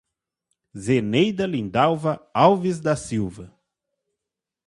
Zeneida Lindalva Alves da Silva